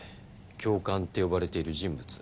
「教官」って呼ばれている人物。